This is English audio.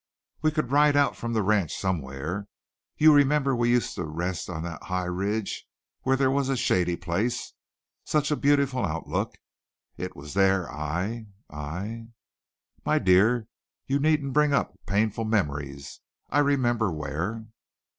"We could ride out from the ranch somewhere. You remember we used to rest on the high ridge where there was a shady place such a beautiful outlook? It was there I I " "My dear, you needn't bring up painful memories. I remember where."